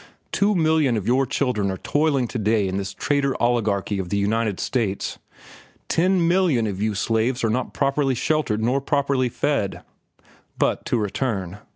Two million of your children are toiling to day in this trader oligarchy of the United States. Ten millions of you slaves are not properly sheltered nor properly fed. "But to return.